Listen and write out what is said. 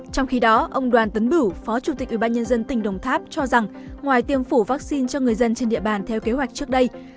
trong khi đó ông đoàn tấn bửu phó chủ tịch ubnd tỉnh đồng tháp cho rằng ngoài tiêm phủ vaccine cho người dân trên địa bàn theo kế hoạch trước đây